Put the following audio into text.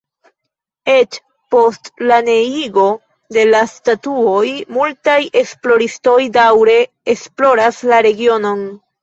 Eĉ post la neniigo de la statuoj multaj esploristoj daŭre esploras la regionon.